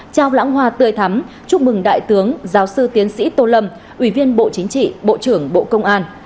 trao lãng hoa tươi thắm chúc mừng đại tướng giáo sư tiến sĩ tô lâm ủy viên bộ chính trị bộ trưởng bộ công an